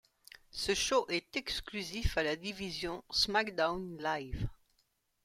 Ce show est exclusif à la division SmackDown Live.